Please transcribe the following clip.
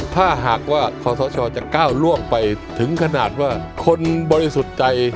ถ้าหากว่าขอสชจะก้าวล่วงไปถึงขนาดว่าคนบริสุทธิ์ใจ